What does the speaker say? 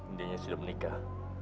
eh dia sudah menikah